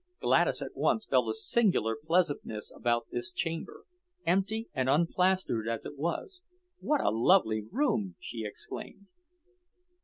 Gladys at once felt a singular pleasantness about this chamber, empty and unplastered as it was. "What a lovely room!" she exclaimed.